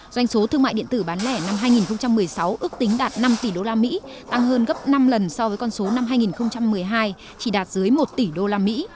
doanh số thương mại điện tử bán lẻ năm hai nghìn một mươi sáu ước tính đạt năm tỷ đô la mỹ tăng hơn gấp năm lần so với con số năm hai nghìn một mươi hai chỉ đạt dưới một tỷ đô la mỹ